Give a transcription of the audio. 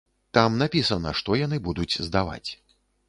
Там напісана, што яны будуць здаваць.